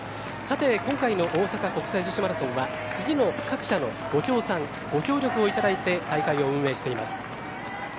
今回の大阪国際女子マラソンは次の各社のご協賛、ご協力をいただいて大会を運営しています。